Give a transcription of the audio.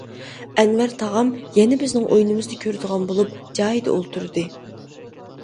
ئەنۋەر تاغام يەنە بىزنىڭ ئويۇنىمىزنى كۆرىدىغان بولۇپ، جايىدا ئولتۇردى.